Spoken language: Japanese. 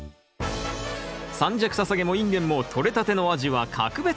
三尺ササゲもインゲンもとれたての味は格別。